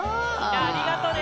・ありがとね。